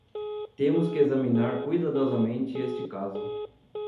Temos que examinar cuidadosamente este caso.